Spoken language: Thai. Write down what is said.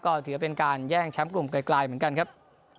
ก็ถือว่าเป็นการแย่งแชมป์กลุ่มไกลเหมือนกันครับ